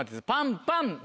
パンパン。